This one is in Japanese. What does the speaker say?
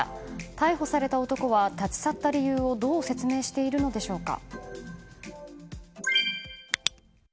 逮捕された男は立ち去った理由をどう説明しているのでしょうか。